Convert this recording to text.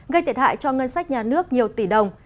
gây thiệt hại cho ngân sách nhà nước nhiều tỷ đồng